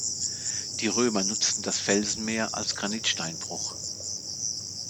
Die Römer nutzten das Felsenmeer als Granitsteinbruch.